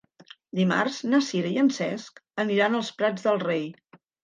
Dimarts na Sira i en Cesc aniran als Prats de Rei.